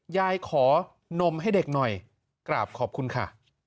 ยายขอนมให้เด็กหน่อยกราบขอบคุณค่ะ